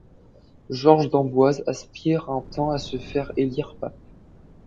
Georges d'Amboise aspire un temps à se faire élire pape.